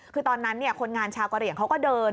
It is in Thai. คือตอนนั้นคนงานชาวกะเหลี่ยงเขาก็เดิน